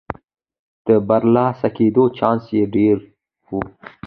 د برلاسه کېدو چانس یې ډېر و.